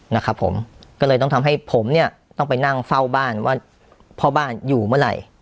นะครับผมก็เลยต้องทำให้ผมเนี่ยต้องไปนั่งเฝ้าบ้านว่าพ่อบ้านอยู่เมื่อไหร่